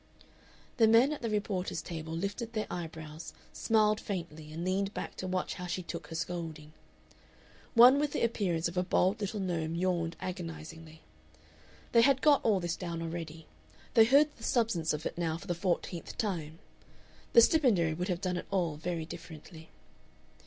The men at the reporter's table lifted their eyebrows, smiled faintly, and leaned back to watch how she took her scolding. One with the appearance of a bald little gnome yawned agonizingly. They had got all this down already they heard the substance of it now for the fourteenth time. The stipendiary would have done it all very differently.